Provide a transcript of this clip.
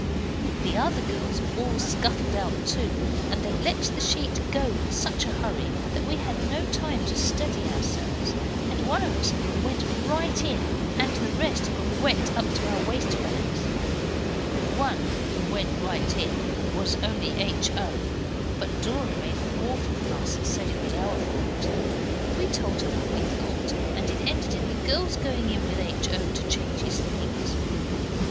The other girls all scuttled out too, and they let the sheet go in such a hurry that we had no time to steady ourselves, and one of us went right in, and the rest got wet up to our waistbands. The one who went right in was only H. O.; but Dora made an awful fuss and said it was our fault. We told her what we thought, and it ended in the girls going in with H. O. to change his things.